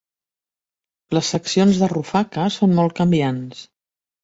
Les seccions de Rufaca són molt canviants.